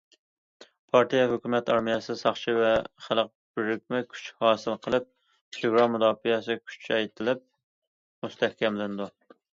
پارتىيە، ھۆكۈمەت، ئارمىيە، ساقچى ۋە خەلق بىرىكمە كۈچ ھاسىل قىلىپ چېگرا مۇداپىئەسى كۈچەيتىلىپ مۇستەھكەملىنىدۇ.